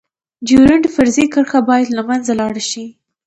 ډيورنډ فرضي کرښه باید لمنځه لاړه شی.